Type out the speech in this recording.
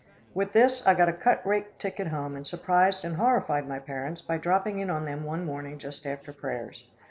With this I got a cut rate ticket home and surprised and horrified my parents by dropping in on them one morning just after prayers.